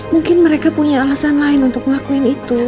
mungkin mereka punya alasan lain untuk ngelakuin itu